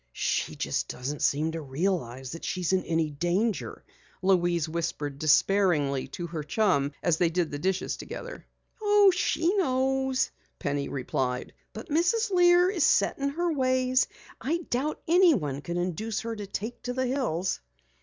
"She just doesn't seem to realize that she's in any danger," Louise whispered despairingly to her chum as they did the dishes together. "Oh, she knows," Penny replied. "But Mrs. Lear is set in her ways. I doubt anyone can induce her to take to the hills."